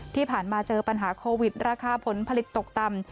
ที่ผ่านมาเจอปัญหาโควิดราคาผลผลิตตกต่ำ